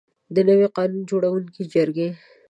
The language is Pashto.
د نوي قانون جوړوونکي جرګې.